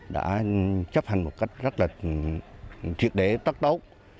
đã chấp hành một cách rất là truyệt đế tắc tốc